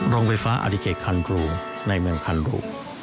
โรงไฟฟ้าอาริเกคันกรูในเมืองคันรู